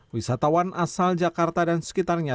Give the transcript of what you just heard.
wisatawan asal jakarta dan sekitarnya